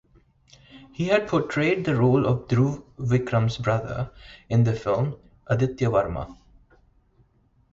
He had portrayed the role of Dhruv Vikram’s brother in the film "Adithya Varma".